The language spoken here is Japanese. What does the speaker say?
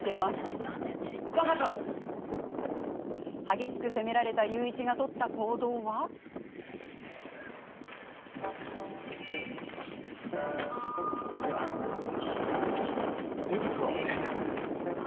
激しく責められた裕一が取った行動は。はあ？